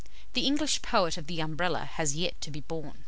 The English poet of the Umbrella has yet to be born.